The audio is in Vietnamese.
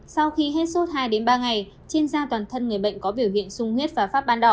sau khi hết suốt hai ba ngày trên da toàn thân người bệnh có biểu hiện sung huyết và phát ban đỏ